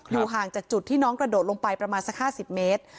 ห่างจากจุดที่น้องกระโดดลงไปประมาณสัก๕๐เมตร